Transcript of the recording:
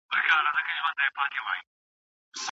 که غاصبین محکمې ته وپیژندل سي، نو د قانون حاکمیت نه ضعیفه کیږي.